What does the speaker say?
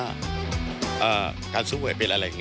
มีความรู้สึกว่ามีความรู้สึกว่า